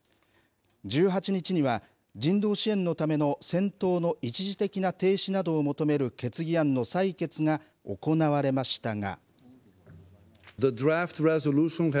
１８日には人道支援のための戦闘の一時的な停止などを求める決議案の採決が行われましたが。